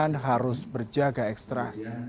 dan harus berjaga ekstra